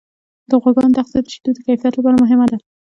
د غواګانو تغذیه د شیدو د کیفیت لپاره مهمه ده.